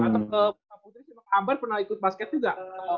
atau ke ambar pernah ikut basket juga